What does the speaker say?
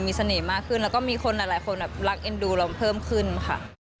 มีเสน่ห์มากขึ้นแล้วก็มีคนหลายคนแบบรักเอ็นดูเราเพิ่มขึ้นค่ะ